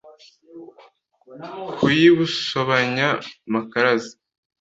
ku y’i busobanya-makaraza,